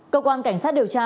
cơ quan cảnh sát điều tra